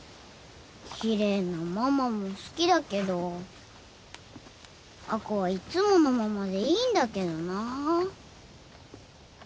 きれいなママも好きだけど亜子はいつものママでいいんだけどなぁ。